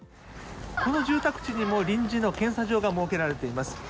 この住宅地にも臨時の検査場が設けられています。